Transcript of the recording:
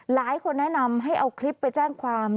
หลายคนแนะนำให้เอาคลิปไปแจ้งความ